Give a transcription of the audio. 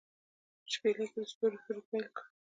په شپیلۍ کې يې د ستورو سرود پیل کړ